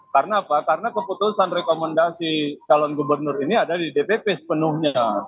karena apa karena keputusan rekomendasi calon gubernur ini ada di dpp sepenuhnya